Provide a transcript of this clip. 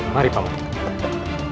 mari pak wadid